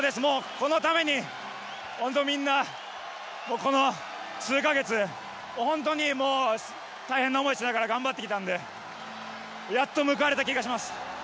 このためにみんな、この数か月本当に大変な思いをしながら頑張ってきたのでやっと報われた気がします。